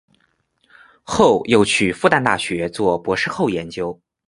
后又去复旦大学做博士后研究。